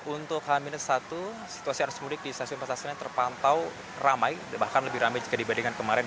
untuk h satu situasi arus mudik di stasiun pasar senen terpantau ramai bahkan lebih ramai jika dibandingkan kemarin